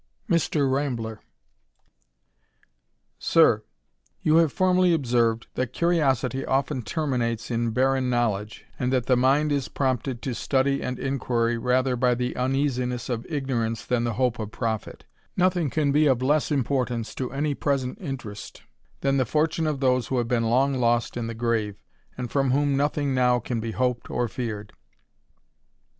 Mr. Rambler. Sir, \70U have formerly observed that curiosity often ^ inates in barren knowledge, and that the mind prompted to study and inquiry rather by the uneasiness <:>^ ignorance than the hope of profit Nothing can be of less importance to any present interest, than the fortune 0/ those who have been long lost in the grave, and from whooi nothing now can be hoped or feared.